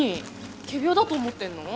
仮病だと思ってんの？